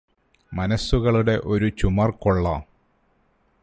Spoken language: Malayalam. മനസ്സുകളുടെ ഒരു ചുമർകൊള്ളാം